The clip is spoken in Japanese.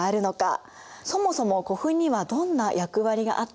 そもそも古墳にはどんな役割があったのか。